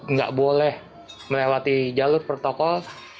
nggak boleh melewati jalur protokol